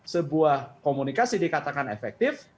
sebuah komunikasi dikatakan efektif